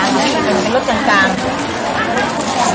อ๋อไม่เผ็ดไม่เผ็ดนะหรือไม่เผ็ดมากกว่าจานนั้น